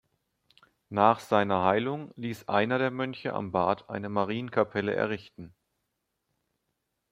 Nach seiner Heilung ließ einer der Mönche am Bad eine Marienkapelle errichten.